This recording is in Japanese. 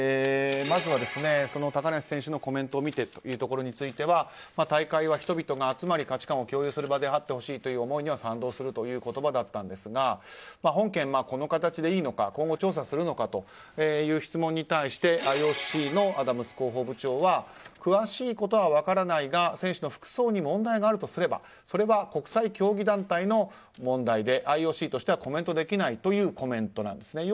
まずは、高梨選手のコメントを見てというところについては大会は人々が集まり価値観を共有する場であってほしいという思いには賛同するという言葉だったんですが本件、この形でいいのか今後、調査するのかという質問に対してＩＯＣのアダムス広報部長は詳しいことは分からないが選手の服装に問題があるとすればそれは国際競技団体の問題でＩＯＣとしてはコメントできないというコメントなんです。